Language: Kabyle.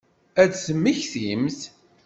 Ad temmektimt?